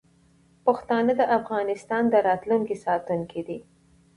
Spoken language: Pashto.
پښتانه د افغانستان د راتلونکي ساتونکي دي.